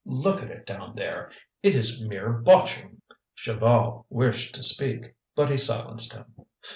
Look at it down there; it is mere botching!" Chaval wished to speak, but he silenced him.